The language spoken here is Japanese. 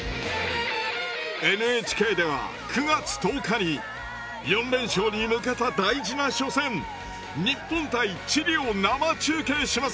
ＮＨＫでは９月１０日に４連勝に向けた大事な初戦日本対チリを生中継します。